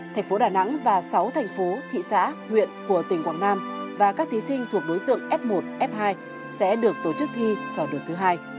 thành phố đà nẵng và sáu thành phố thị xã nguyện của tỉnh quảng nam và các thí sinh thuộc đối tượng f một f hai sẽ được tổ chức thi vào đợt thứ hai